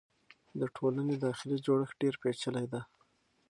د ټولنې داخلي جوړښت ډېر پېچلی دی.